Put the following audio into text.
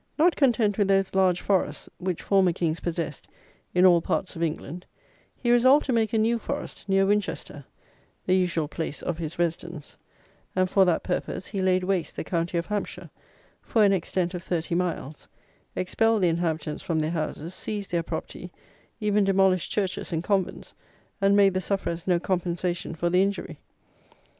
Not content with those large forests, which former Kings possessed, in all parts of England, he resolved to make a new Forest, near Winchester, the usual place of his residence: and, for that purpose, he laid waste the county of Hampshire, for an extent of thirty miles, expelled the inhabitants from their houses, seized their property, even demolished churches and convents, and made the sufferers no compensation for the injury."